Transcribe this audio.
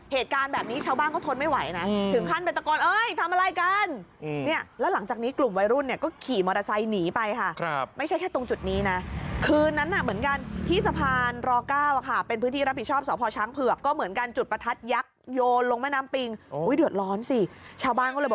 เหตุการณ์แบบนี้ชาวบ้านเขาทนไม่ไหวนะถึงขั้นไปตะโกนเอ้ยทำอะไรกันเนี่ยแล้วหลังจากนี้กลุ่มวัยรุ่นเนี่ยก็ขี่มอเตอร์ไซค์หนีไปค่ะไม่ใช่แค่ตรงจุดนี้นะคืนนั้นน่ะเหมือนกันที่สะพานร๙เป็นพื้นที่รับผิดชอบสพช้างเผือกก็เหมือนกันจุดประทัดยักษ์โยนลงแม่น้ำปิงเดือดร้อนสิชาวบ้านก็เลยบ